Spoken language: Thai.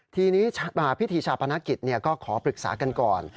ทีนี้ประมาณพิธีชาติพนักกิจก็ขอปรึกษากันก่อน